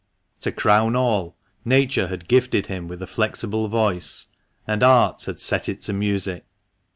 To crown all, Nature had gifted him with a flexible voice, and art had set it to music.